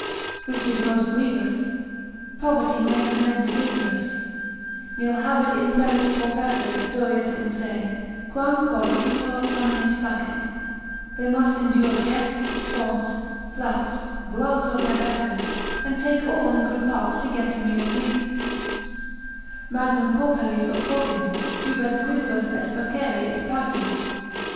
Which is most grievous, poverty makes men ridiculous, Nil habet infelix paupertas durius in se, quam quod ridiculos homines facit, they must endure jests, taunts, flouts, blows of their betters, and take all in good part to get a meal's meat: magnum pauperies opprobrium, jubet quidvis et facere et pati.